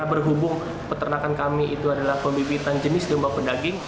berhubung peternakan kami itu adalah pembibitan jenis domba pedaging